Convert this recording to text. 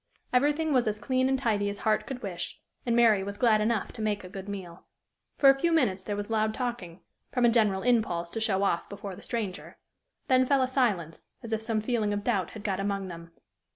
Everything was as clean and tidy as heart could wish, and Mary was glad enough to make a good meal. For a few minutes there was loud talking from a general impulse to show off before the stranger; then fell a silence, as if some feeling of doubt had got among them.